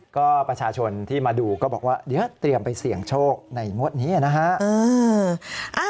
ก็ประชาชนที่มาดูก็บอกว่าเดี๋ยวเตรียมไปเสี่ยงโชคในงวดนี้นะฮะ